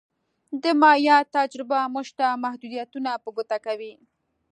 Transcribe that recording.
د مایا تجربه موږ ته محدودیتونه په ګوته کوي